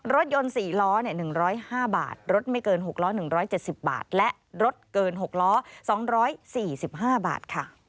รถยนต์๔ล้อ๑๐๕บาทรถไม่เกิน๖ล้อ๑๗๐บาทและรถเกิน๖ล้อ๒๔๕บาทค่ะ